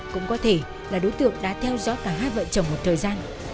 cũng có thể là đối tượng đã theo dõi cả hai vợ chồng một thời gian